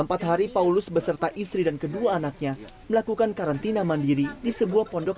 empat hari paulus beserta istri dan kedua anaknya melakukan karantina mandiri di sebuah pondok